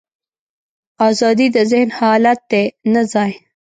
ازادي د ذهن حالت دی، نه ځای.